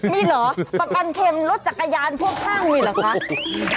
มีเหรอประกันเข็มรถจักรยานพ่วงข้างมีเหรอคะ